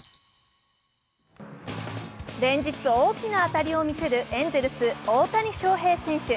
連日大きな当たりを見せるエンゼルス・大谷翔平選手。